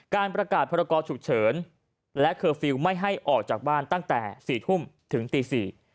การประกาศพรกรฉุกเฉินและเคอร์ฟิลล์ไม่ให้ออกจากบ้านตั้งแต่๔ทุ่มถึงตี๔